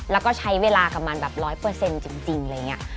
แล้วก็ใช้เวลากับมันแบบร้อยเปอร์เซ็นต์จริงอะไรอย่างนี้